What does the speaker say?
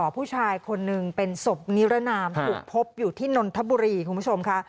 ผู้ชายคนหนึ่งเป็นศพนิรนามถูกพบอยู่ที่นนทบุรีคุณผู้ชมค่ะ